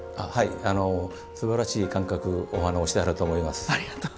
すばらしい感覚、お鼻をしてはると思います。